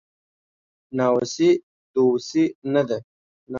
ناوسي دووسي نده